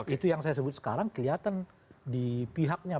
itu yang saya sebut sekarang kelihatan di pihaknya